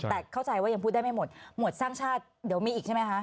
แต่เข้าใจว่ายังพูดได้ไม่หมดหมวดสร้างชาติเดี๋ยวมีอีกใช่ไหมคะ